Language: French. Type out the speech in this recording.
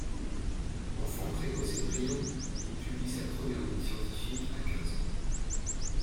Enfant précoce et brillant, il publie sa première note scientifique à quinze ans.